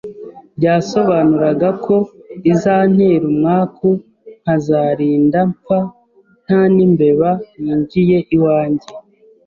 byasobanuraga ko izantera umwaku nkazarinda mfa nta n’imbeba yinjiye iwanjye,